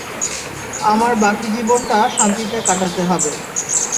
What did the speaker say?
আমার বাকি জীবনটা শান্তিতে কাটাতে হবে।